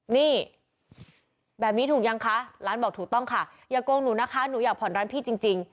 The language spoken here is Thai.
นี่แบบนี้ถูกยังคะร้านบอกถูกต้องค่ะอย่าโกงหนูนะคะหนูอยากผ่อนร้านพี่จริง